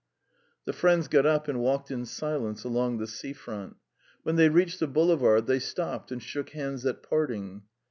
The friends got up and walked in silence along the sea front. When they reached the boulevard, they stopped and shook hands at parting.